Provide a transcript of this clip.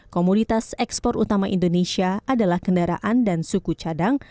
komoditas ekspor utama indonesia adalah kendaraan dan suku cadang